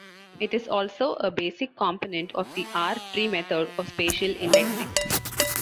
It is also a basic component of the R-tree method of spatial indexing.